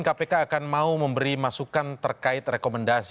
kpk akan mau memberi masukan terkait rekomendasi